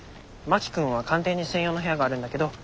真木君は官邸に専用の部屋があるんだけど